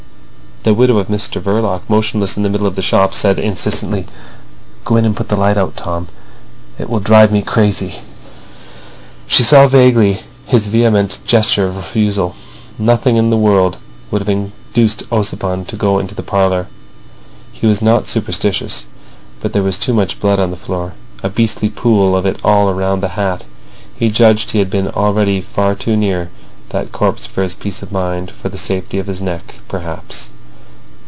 The widow of Mr Verloc, motionless in the middle of the shop, said insistently: "Go in and put that light out, Tom. It will drive me crazy." She saw vaguely his vehement gesture of refusal. Nothing in the world would have induced Ossipon to go into the parlour. He was not superstitious, but there was too much blood on the floor; a beastly pool of it all round the hat. He judged he had been already far too near that corpse for his peace of mind—for the safety of his neck, perhaps!